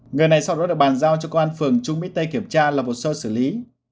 người này sau đó được bàn giao cho công an phường trung mỹ tây kiểm tra lập hồ sơ xử lý